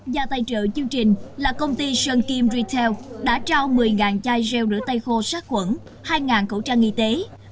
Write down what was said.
gia tài trợ chương trình là công ty sơn kim retail đã trao một mươi chai gel rửa tay khô sát quẩn hai cẩu trang y tế